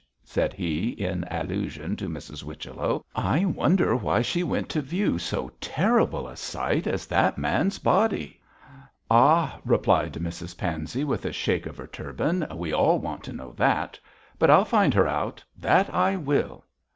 said he, in allusion to Miss Whichello. 'I wonder why she went to view so terrible a sight as that man's body.' 'Ah!' replied Mrs Pansey, with a shake of her turban, 'we all want to know that. But I'll find her out; that I will.'